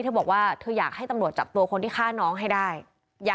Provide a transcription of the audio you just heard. เธอบอกว่าเธออยากให้ตำรวจจับตัวคนที่ฆ่าน้องให้ได้